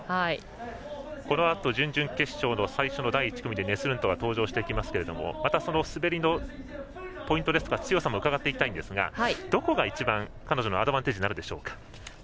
このあと準々決勝の最初の第１組でネスルントは登場してきますけれどもまた滑りのポイントですとか強さも伺っていきたいんですがどこが一番彼女のアドバンテージになるんでしょうか。